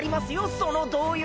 その動揺！！